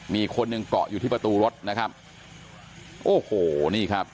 มีคนหนึ่งเกาะอยู่ที่ประตูรถนะครับโอ้โหนี่ครับ